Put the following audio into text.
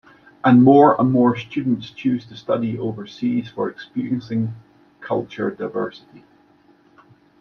And more and more students choose to study overseas for experiencing culture diversity.